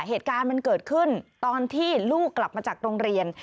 เหตุการณ์มันเกิดขึ้นตอนที่ลูกกลับมาจากโรงเรียน